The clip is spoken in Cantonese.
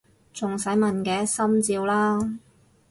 仲使問嘅！心照啦！